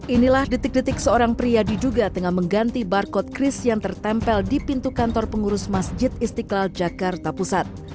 inilah detik detik seorang pria diduga tengah mengganti barcode kris yang tertempel di pintu kantor pengurus masjid istiqlal jakarta pusat